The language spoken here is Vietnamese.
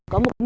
có một cái